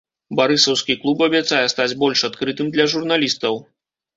Барысаўскі клуб абяцае стаць больш адкрытым для журналістаў.